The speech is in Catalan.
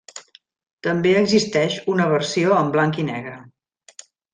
També existeix una versió en blanc i negre.